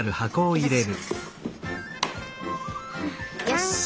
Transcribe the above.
よし。